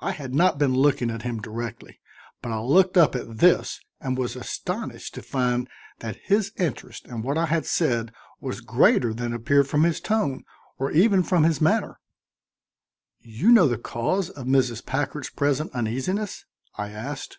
I had not been looking at him directly, but I looked up at this and was astonished to find that his interest in what I had said was greater than appeared from his tone or even from his manner. "You know the cause of Mrs. Packard's present uneasiness?" I asked.